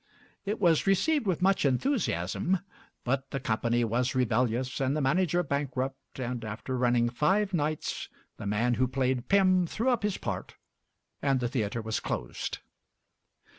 It was received with much enthusiasm, but the company was rebellious and the manager bankrupt; and after running five nights, the man who played Pym threw up his part, and the theatre was closed.